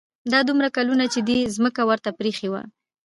دا دومره کلونه چې دې ځمکه ورته پرېښې وه.